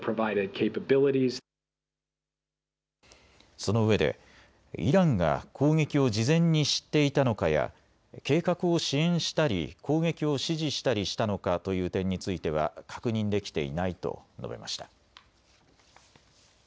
そのうえでイランが攻撃を事前に知っていたのかや計画を支援したり攻撃を指示したりしたのかという点については確認できていないと述べました。